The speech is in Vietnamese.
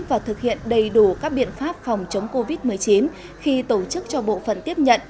và thực hiện đầy đủ các biện pháp phòng chống covid một mươi chín khi tổ chức cho bộ phận tiếp nhận